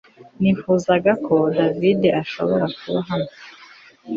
Nifuzaga ko David ashobora kuba hano